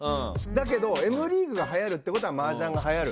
だけどＭリーグがはやるってことはマージャンがはやる。